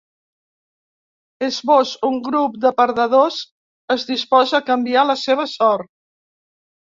Esbós: Un grup de perdedors es disposa a canviar la seva sort.